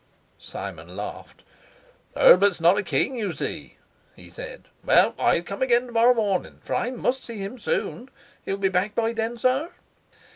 Simon laughed. "Herbert's not a king, you see," he said. "Well, I'll come again to morrow morning, for I must see him soon. He'll be back by then, sir?"